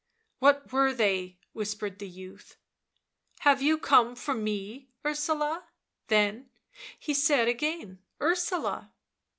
" What were they ?" whispered the youth. " 1 Have you come for me, Ursula V then he said again, ' Ursula.